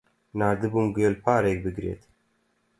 ناردبووم گوێلپارێک بگرێت.